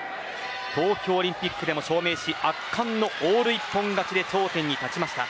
東京オリンピックでも証明し圧巻のオール一本勝ちで頂点に立ちました。